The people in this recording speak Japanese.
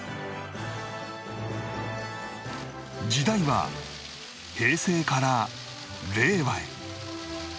時代は平成から令和へ